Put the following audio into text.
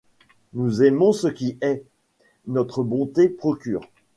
Nous aimons ce qui hait ; notre bonté procure